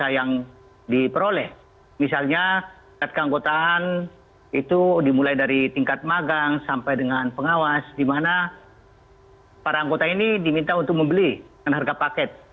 angkotaan itu dimulai dari tingkat magang sampai dengan pengawas di mana para anggota ini diminta untuk membeli dengan harga paket